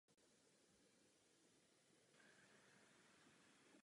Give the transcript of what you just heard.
Dnes je mapa uložena v Rakouské národní knihovně ve Vídni.